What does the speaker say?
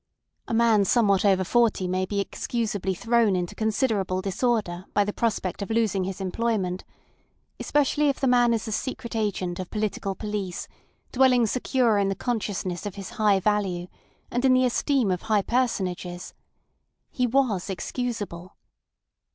A man somewhat over forty may be excusably thrown into considerable disorder by the prospect of losing his employment, especially if the man is a secret agent of political police, dwelling secure in the consciousness of his high value and in the esteem of high personages. He was excusable.